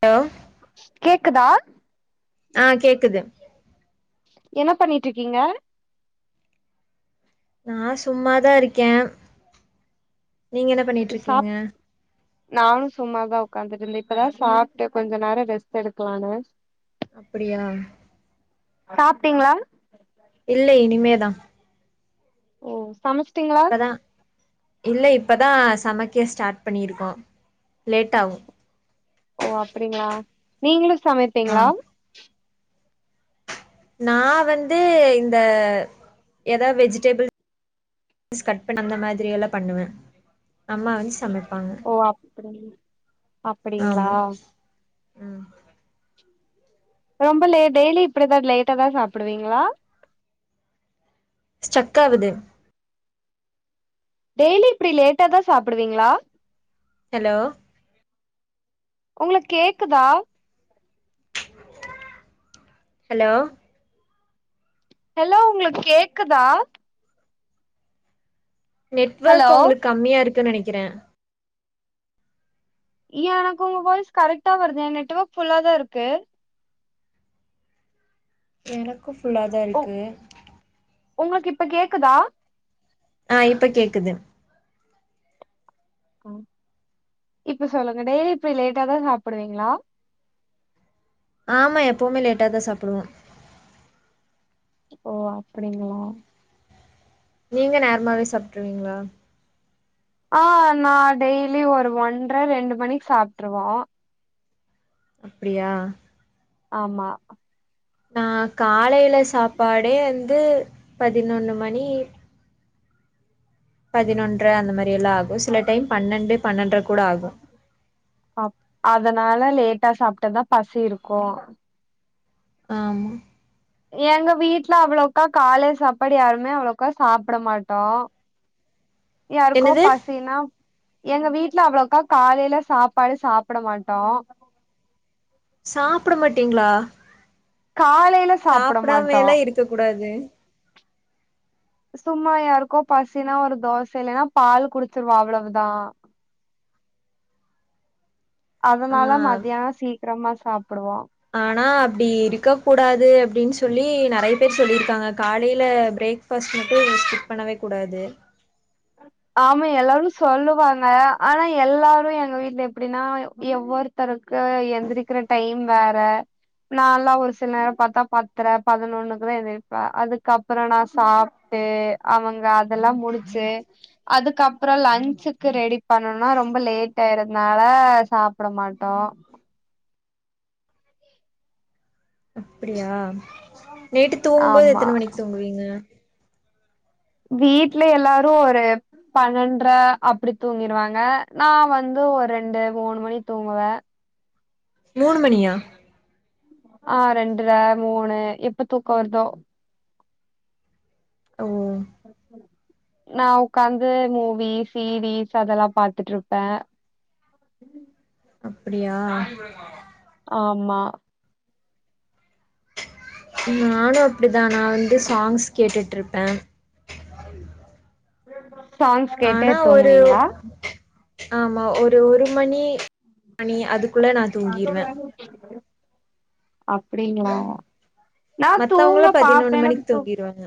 hello கேக்குதா ஆ கேக்குது என்ன பண்ணிட்ருக்கீங்க நா சும்மாதா இருக்கே நீங்க என்ன சாப் பண்ணிட்ருக்கீங்க நானு சும்மாதா உக்காந்துட்ருந்தே இப்பதா சாப்ட்டு கொஞ்ச நேரோ ரெஸ்ட் எடுக்கலான்னு அப்பிடியா சாப்ட்டீங்களா இல்ல இனிமேதா ஓ சமச்சிட்டீங்களா இப்பதா இல்ல இப்பதா சமைக்க ஸ்டார்ட் பண்ணிருக்கோ லேட்டாவு ஒ அப்பிடிங்களா நீங்களு ஆ சமைப்பீங்களா நா வந்து இந்த எதாவது வெஜிடபிள்ஸ் கட் பண்ண அந்த மாதிரியெல்லா பண்ணுவே அம்மா வந்து சமப் ஓ அப்பிடிங் அப்பிடிங்களா ஆமா ம் ரொம்ப லேட் டெய்லி இப்பிடிதா லேட்டாதா சாப்புடுவீங்களா ஸ்ட்ரக்காகுது டெய்லி இப்டி லேட்டாதா சாப்புடுவீங்களா ஹலோ உங்குளுக்கு கேக்குதா ஹலோ ஹலோ உங்களுக்கு கேக்குதா ஹலோ நெட்வர்க் உங்களுக்கு கம்மியாருக் நெனக்கிறேன் எனக்கு உங்க வாய்ஸ் கரெக்ட்டா வருது என் நெட்வொர்க் ஃபுல்லாதான் இருக்கு எனக் க்கு ஃபுல்லா தா இருக்கு உங்குளுக்கு இப்ப கேக்குதா அ இப்ப கேக்குது அ இப்ப சொல்லுங்க டெய்லி இப்டி லேட்டாதா சாப்புடுவீங்களா ஆமா எப்பவுமே லேட்டா தா சாப்புடுவோம் ஒ அப்டிங்களா நீங்க நேரமாவே சாப்ட்ருவீங்களா ஆ நா டெய்லி ஒரு ஒன்றரை ரெண்டு மணி சாப்ட்டுருவோம் அப்டியா ஆமா நா காலை வீட்ல சாப்பாடே வந்து பதினொன்னு மணி பதினொன்ற அந்த மாரி எல்லா ஆகும் சில டைம் பன்னெண்டு பன்னென்ற கூட ஆகும் அப் அதனால லேட்டா சாப்ட்டாதா பசி இருக்கும் ஆமா எங்க வீட்ல அவ்ளோக்கா காலை சாப்பாடு யாருமே அவ்ளோக்கா சாப்ட மாட்டோம் யாருக்கோ என்னது பசினா எங்க வீட்ல அவ்ளோக்கா காலைல சாப்பாடு சாப்ட மாட்டோம் சாப்ட மாட்டீங்களா காலைல சாப்ட மாட்டோ சாப்டாமேல இருக்க கூடாது சும்மா யாருக்கோ பசினா ஒரு தோச இல்லன்னா பால் குடிச்சிருவோன் அவ்ளோ தா ஆ அதனால மத்தியானம் சீக் கிரமா சாப்புடுவோம் ஆனா அப்டி இருக்கக்கூடாது அப்டின் சொல்லி நெறைய பேர் சொல்லியிருக்காங்க காலையில பிரேக்பஸ்ட் மட்டும் ஸ்கிப் பண்ணவே கூடாது ஆமா எல்லாரும் சொல்லுவாங்க ஆனா எல்லாரும் எங்க வீட்ல எப்டின்னா எவ்வொருத்தரு க்கு எந்திரிக்கிற டைம் வேற நாலான் ஒரு சில நேரம் பாத்தா பத்தற பதினொன்னுக்குதான் எந்திரிப்பன் அதுக்கப்றோ நா சாப்ட்டு அவுங்க அதெல்லா முடிச்சு அதுக்கப்றோ லன்ச்சுக்கு ரெடி பண்ணனுனா ரொம்ப லேட்டாயிருதுனால சாப்ட மாட்டோம் அப்பிடியா நைட்டு தூங்கும்போது ஆமா எத்தன மணிக்கி தூங்குவீங்க வீட்ல எல்லாரு ஒரு பன்னெண்ட்ர அப்பிடி தூங்கிருவாங்க நா வந்து ஒரு ரெண்டு மூணு மணிக் தூங்குவே மூணு மணியா ஆ ரெண்ட்ர மூணு எப்ப தூக்கோ வர்தோ ஓ நா உக்காந்து மூவி, சீரீஸ் அதெல்லா பாத்துட்ருப்பே அப்பிடியா ஆமா நானு அப்டிதா நா வந்து சாங்ஸ் கேட்டுட்ருப்பே [unintelligible] சாங்ஸ் கேட்டே ஆனா ஒரு தூங்குவீங்ளா ஆமா ஒரு ஒரு மணி மணி அதுக் குள்ள நா தூங்கிருவே அப்பிடிங்களா நா தூங்க மத்தவங்களா பாப்பே பதினொன்னு எனக்கு மணிக்கு தூ தூங்கிருவாங்க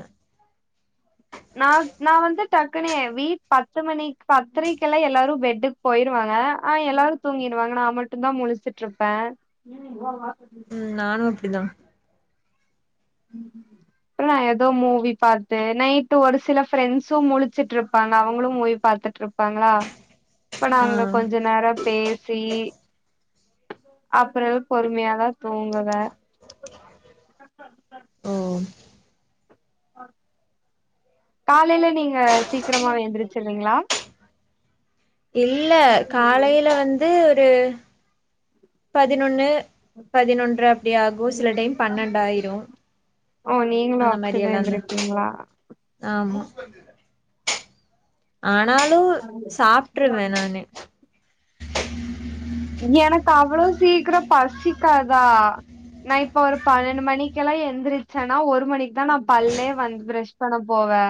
நா நா வந்து டக்குனு யேன் வீட் பத்து மணிக் பத்தரைக்கெல்லா எல்லாரு பெட்டுக்கு போயிருவாங்க ஆனா எல்லாரு தூங்கிருவாங்க நா மட்டுந்தா முழிச்சிட்ருப்பே ம் நானு அப்டிதா சும்மா ஏதோ மூவி பாத்து நைட்டு் ஒரு சில ப்ரெண்ட்ஸு முழிச்சுட்ருப்பாங்க அவுங்களு மூவி பாத்துட்ருப்பாங்களா அப்ப ஆ நாங்க கொஞ்ச நேரோ பேசி அப்புறோ பொறுமையாதா தூங்குவே ஓ காலைல நீங்க சீக்கிரமாவே எந்திரிச்சுர் வீங்களா இல்ல காலைல வந்து ட்டு பதினொன்னு பதினொன்ற அப்டி ஆகு சில டைம் பன்னெண்டாயிரு ஓ நீங்களு அந்த மாரி அப்படிதா எல்லாந்தா எந்திரிப்பீங்களா ஆமா [unintelligible] ஆனாலு சாப்ட்ருவே நானு [unintelligible] எனக்கு அவ்ளோ சீக்கிரோ பசிக்காதா நா இப்ப ஒரு பன்னெண்டு மணிக்கெல்லா எந்திரிச்சேன்னா ஒரு மணிக்குதா நா பல்லே வந்து ப்ரஷ் பண்ண போவே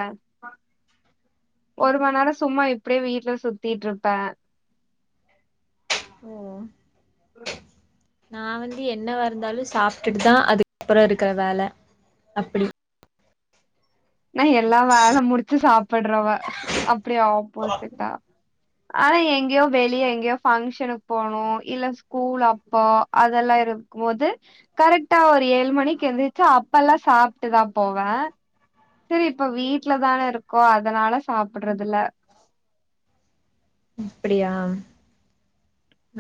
ஒரு மணி நேரோ சும்மா இப்டியே வீட்ல சுத்திட்ருப்பே ஓ [unintelligible] நா வந்து என்னவா இருந்தாலு சாப்ட்டுட்டுதா அதுக்கப்பறோ இருக்கற வேல அப்பிடி நா எல்லா வேல முடிச்சு சாப் பட்றாவ அப் ப்டியாவோ ப்போசிட்டா ஆனா எங்கேயோ வெளிய எங்கேயோ ஃபங்க்க்ஷனுக்கு போனு இல்ல ஸ்கூல் அப்போ அதெல்லா இருக்கும் போது கரெக்டா ஒரு ஏழு மணிக்கு எந்திரிச்சு அப்பல்லா சாப்ட்டுதா போவே சரி இப்ப வீட்டுலதானே இருக்கோ அதனால சாப்ட்றதுல்ல அப்டியா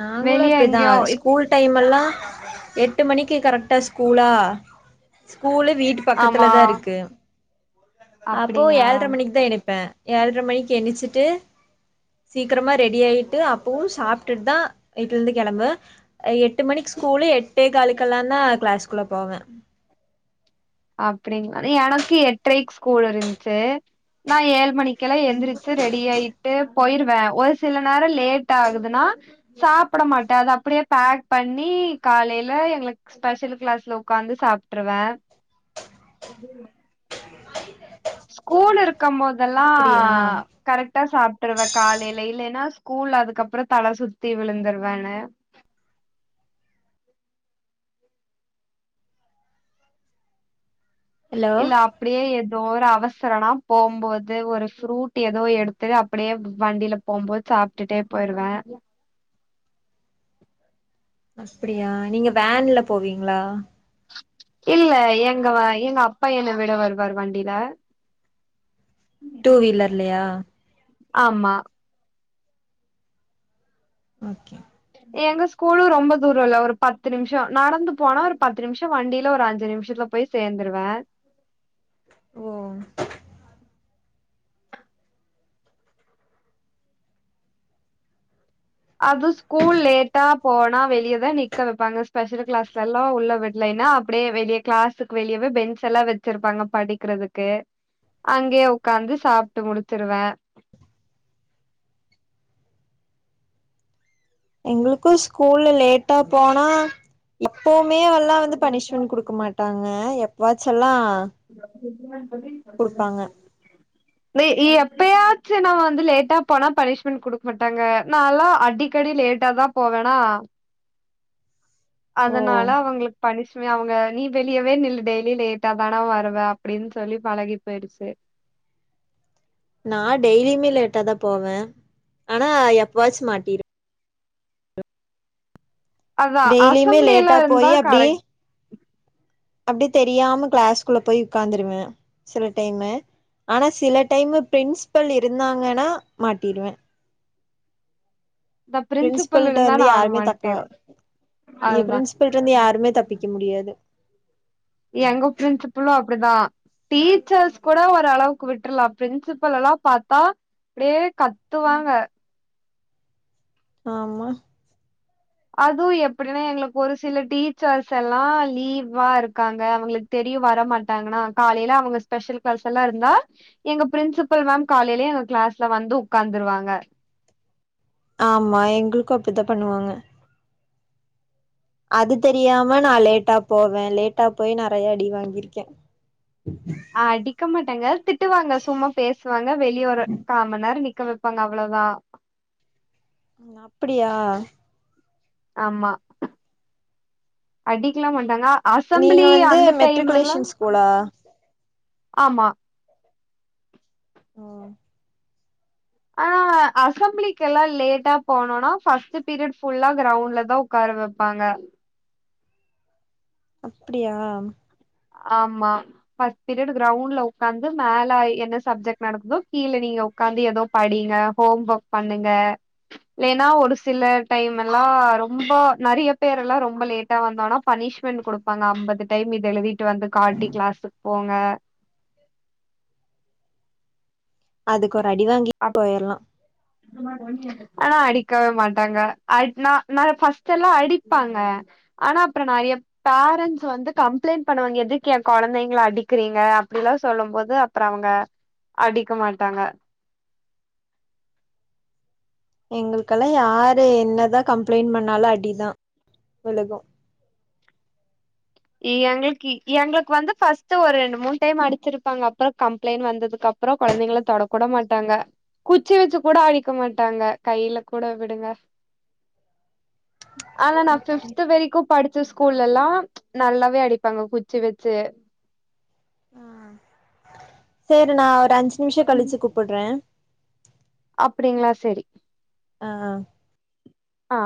நாங்களு வெளிய அப்டிதா எங்கேயோ இப் ஸ்கூல் டைமெல்லா எட் எட்டு மணிக்கு கரெக்டா ஸ்கூலா ஸ்கூலு வீட்டு ஆமா பக்கத்துலதா இருக்கு அப்போ அப்டிங்களா ஏழ்ர மணிக்தா எரிப்பே ஏழ்ர மணிக்கு எணிச்சிட்டு சீக்ரமா ரெடி ஆயிட்டு அப்பவு சாப் ட்டுட்டு தா வீட்லுருந்து கெளம்புவே எட்டு மணிக்கு ஸ்கூலு எட்டேகாலுக்கெல்லாந்தான் கிளாஸ்க்குள்ள போவ அப்படிங்க் எனக்கு எட்டரைக் ஸ்கூல் இருந்துச்சு நா ஏழு மணிக் க்கெலா எந்திரிச்சு ரெடி ஆயிட்டு போயிருவே ஒரு சில நேர லேட்டாகுதுன்னா சாப்டமாட்ட அத அப்டியே பேக் பண்ணி காலையில எங்களுக்கு ஸ்பெஷல் கிளாஸ்ல ஒக்காந்து சாப்ட்டுருவே [inaudible] ஸ்கூல் இருக்கம் போத் லல்லா அப்டியா கரெக்டா சாப்ட்ருவே காலையில இல்லேன்னாஸ் ஸ்கூல் அதுக்கப்பறோ தலசுத்தி விழுந்துருவேனு ஹலோ இல்ல அப்டியே எத் தோஒரு அவசரோனா போம்போது ஒரு ஃப்ரூட் ஏதோ எடுத்து அப்படியே வண்டில போம்போது சாப்ட்டுட்டே போயிருவே அப்டியா நீங்க வேன்ல போவீங்ளா இல்ல எங்க எங்க அப்பா என்ன விட வருவாரு வண்டில டூ வீலர்ல்லயா ஆமா ஓகே எங்க ஸ்கூலு ரொம்ப தூரம்ல்ல ஒரு பத்து நிமிஷோ நடந்து போனா ஒரு பத்து நிமிஷோ வண்டில ஒரு அஞ்சு நிமிஷத்துல போய் சேந்துருவே ஓ அது ஸ்கூல் லேட்டா போனா வெளியதா நிக்க வெப்பாங்க ஸ்பெஷல் கிளாஸ்லல்லா உள்ள விட்லேன்னா அப்டியே வெளிய கிளாஸுக்கு வெளியவே பெஞ்ச்செல்லா வச்சிருப்பாங்க படிக்றதுக்கு அங்கயே ஒக்காந்து சாப்ட்டு முடிச்சிருவே எங்ளுக்கு ஸ்கூலு லேட்டா போனா போ மேயல்லா வந்து பனிஷ்மெண்ட் கொடுக்க மாட்டாங்க எப் வாச்சல்லா [inaudible] [unintelligible] குடுப்பாங்க [unintelligible] எப்பயாச்சுனா வந்து லேட்டா போனா பனிஷ்மென்ட் குடுக்க மாட்டாங்க நால்லா அடிக்கடி லேட்டாதா போவனா ஓ அதனால அவங்களுக்கு பனிஷ் ச்சுமே அவங்க நீ வெளியவே நில்லு டெய்லி லேட்டாதான வருவ அப்டின் சொல்லி பழகி போயிடுச்சு நா டெய்லியுமே லேட்டாதா போவ ஆனா எப்பாச்சு மாட்டிரு அதா டெய்லியுமே அசம்பளியெல்லா லேட்டா இருந்தா கரெக் அப்டியே தெரியாம கிளாஸ்குள்ள போய் உக்காந்துருவ சில டைமு ஆனா சில டைமு பிரின்ஸ்பல் இருந்தாங்கன்னா மாட்டிருவ இந்த பிரின்சிபல் பிரின்ஸ்பல்ட்ட இருந்தா வந்து நானு யாருமே தக்கா மாட்டிருவ ஏ அதுதா பிரின்ஸ்பல்ட்ட இருந்து யாருமே தப்பிக்க முடியாது [inaudible] எங்க பிரின்சிபலோ அப் அப்டிதா டீச்சர்ஸ் கூட ஓர் அளவுக்கு விட்டுர்லா பிரின்சிபல் எல்லா பாத்தா அப்டியே கத்துவாங்க ஆமா அது எப்டின்னா எங்களுக்கு ஒரு சில டீச்சர்ஸ் எல்லா லீவா இருக்காங்க அவங்களுக் தெரியு வர மாட்டாங்கன்னா காலைல அவங்க ஸ்பெஷல் கிளாஸ் எல்லா இருந்தா எங்க பிரின்சிபல் மேம் காலையிலயே எங்க கிளாஸ்ல வந்து உக்காந்துருவாங்க ஆமா எங்களுக்கு அப்டித்தா பண்ணுவாங்க அது தெரியாம நா லேட்டா போவ லேட்டா போயி நறையா அடி வாங்கிருக்க அடிக்க மாட்டாங்க திட்டுவாங்க சும்மா பேசுவாங்க வெளிய ஒரு காமன் நேரோ நிக் நிக்க வெப்பாங்க அவ்வளோதா ம் அப்டியா ஆமா அடிக்கெல்லா மாட்டாங்க அ நீங்க வந்து மெட்ரிகுலேஷன் ஸ்கூலா ஆமா ஓ ஆனா அசம்பிளிக்கெல்லா லேட்டா போனோன்னா ஃபஸ்ட்டு பீரியட் ஃபுல்லா கிரௌண்ட்லதா உக்கார வெப்பாங்க அப்டியா ஆமா ஃபஸ்ட் பீரியட் கிரவுண்டுல உக்காந்து மேல என்ன சப்ஜெக்ட் நடக்குதோ கீழ நீங்க உக்காந்து எதோ படிங்க ஹோம் ஓக் பண்ணுங்க இல்லைன்னா ஒரு சில டைம் எல்லா ரொம்போ நறைய பேரெல்லா ரொம்ப லேட்டா வந்தோனா பனிஷ்மெண்ட் குடுப்பாங்க ஐம்பது டைம் இது எழுதி ட்டு வந்து காட்டி கிளாஸ்ஸு போங்க அதுக் கு ஒரு அடி வாங்கி அப் போயிர்லா ஆனா அடிக்கவே மாட்டாங்க அட் நா நா ஃபஸ்ட் எல்லா அடிப்பாங்க ஆனா அப்புறோ நறையா பேரன்ஸ் வந்து கம்புளைண்ட் பண்ணவங்க எதுக்கு எ கொழந்தைங்கள அடிக்கறீங்க அப்டி எல்லா சொல்லும் போது அப்புறோ அவங்க அடிக்க மாட்டாங்க எங்களுக்கெல்லா யாரு என்னதா கம்புளைண்ட் பண்ணாலு அடிதா விலுகு எங்களுக்கு எங்களுக்கு வந்து ஃபஸ்ட்டு ஒரு ரெண்டு மூண் டைம் அடிச்சுருப்பாங்க அப்புறோ கம்ப்ளைண்ட் வந்ததுக்கு அப்புறோ கொழந்தைங்கள தொடக்கூட மாட்டாங்க குச்சி வெச்சு கூட அடிக்க மாட்டாங்க கைல கூட விடுங்க ஆனா நா பிஃப்த்து வரைக்கு படு ச்ச ஸ்கூல்லெல்லாம் நல்லாவே அடிப்பாங்க குச்சி வெச்சு ஆ சேரி நா ஒர் ப்ப அஞ்சு நிமிஷோ கழிச்சு கூப்புட்றே அப்டிங்களா செரி ஆ ஆ